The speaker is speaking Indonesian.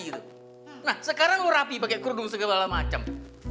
nah sekarang lu rapi pake keludung segala macem